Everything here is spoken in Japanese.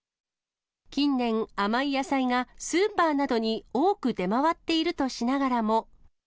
近年、甘い野菜がスーパーなどに多く出回っているとしながらも。